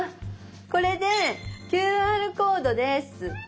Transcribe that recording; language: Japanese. これで「ＱＲコード」です。